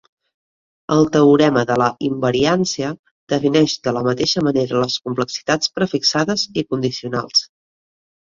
El teorema de la invariància defineix de la mateixa manera les complexitats prefixades i condicionals.